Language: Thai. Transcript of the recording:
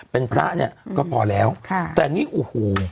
เป็นพระเนี่ยก็พอแล้วค่ะแต่นี่โอ้โห